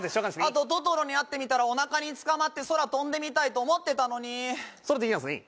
あとトトロに会ってみたらおなかにつかまって空飛んでみたいと思ってたのにそれでいいやんすね